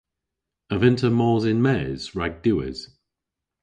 A vynn'ta mos yn-mes rag diwes?